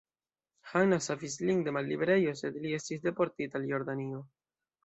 Hanna savis lin de malliberejo, sed li estis deportita al Jordanio.